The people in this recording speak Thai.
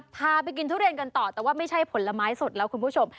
พาไปกินทุเรียนกันต่อแต่ว่าไม่ใช่ผลไม้สดแล้วคุณผู้ชม